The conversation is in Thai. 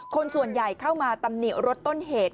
คนส่วนใหญ่เข้ามาตำหนิรถต้นเหตุ